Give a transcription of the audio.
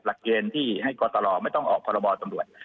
หลักเกณฑ์ที่ให้กรตลไม่ต้องออกพรบตำรวจ